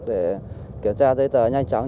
để kiểm tra giấy tờ nhanh chóng